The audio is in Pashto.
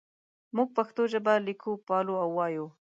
موږ پښتو ژبه لیکو پالو او وایو.